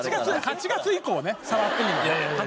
８月以降ね触っていいのは。